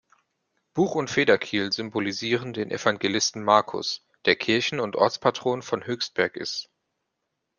Buch und Federkiel symbolisieren den Evangelisten Markus, der Kirchen- und Ortspatron von Höchstberg ist.